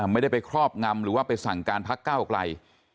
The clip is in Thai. ไม่ได้ไปครอบงำหรือว่าไปสั่งการพักก้าวไกล